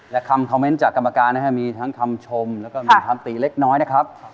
และคำคอมเมนต์จากกรรมการนะครับมีทั้งคำชมแล้วก็มีคำตีเล็กน้อยนะครับ